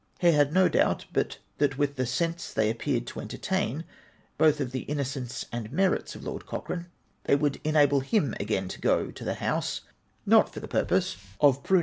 He had no doubt but that with the sense they appeared to entertain, both of the innocence and merits of Lord Cochrane, they would en able him again to go to the House, not for the purpose of 442 APPENDIX X.